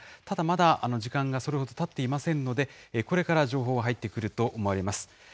ただ、まだ時間がそれほどたっていませんので、これから情報が入ってくると思われます。